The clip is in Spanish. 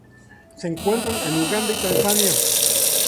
Se encuentra en Uganda y Tanzania.